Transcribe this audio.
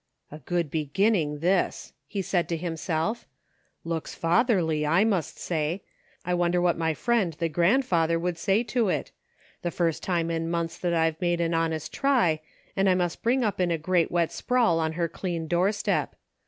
"A good beginning, this !" he said to himself; "looks fatherly, I must say. I wonder what my friend, the grandfather, would say to it ; the first time in months that I've made an honest try, and I must bring up in a great wet sprawl on her clean doorstep.